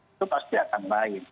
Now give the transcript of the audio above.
itu pasti akan lain